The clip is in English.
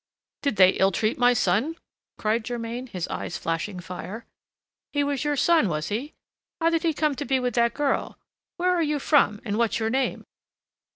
"Did they ill treat my son?" cried Germain, his eyes flashing fire. "He was your son, was he? How did he come to be with that girl? Where are you from, and what's your name?"